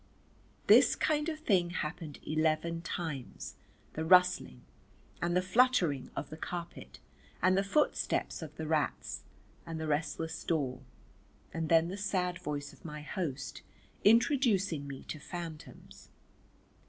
This kind of thing happened eleven times, the rustling, and the fluttering of the carpet and the footsteps of the rats, and the restless door, and then the sad voice of my host introducing me to phantoms.